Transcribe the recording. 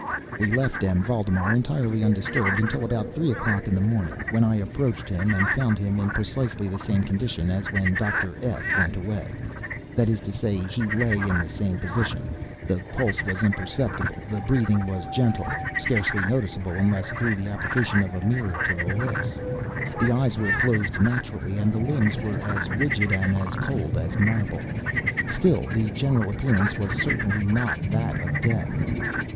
We left M. Valdemar entirely undisturbed until about three o'clock in the morning, when I approached him and found him in precisely the same condition as when Dr. F—— went away—that is to say, he lay in the same position; the pulse was imperceptible; the breathing was gentle (scarcely noticeable, unless through the application of a mirror to the lips); the eyes were closed naturally; and the limbs were as rigid and as cold as marble. Still, the general appearance was certainly not that of death.